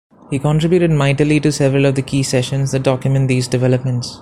He contributed mightily to several of the key sessions that document these developments.